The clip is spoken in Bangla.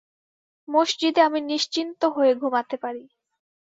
মসজিদে আমি নিশ্চিন্ত হয়ে ঘুমাতে পারি।